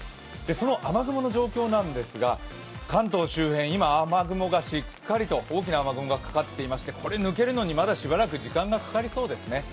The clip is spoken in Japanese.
雨雲の状況なんですが、関東周辺大きな雨雲がかかっていましてこれ抜けるのにまだしばらく時間がかかりそうですね。